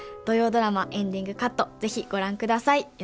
土曜ドラマ「エンディングカット」是非ご覧ください。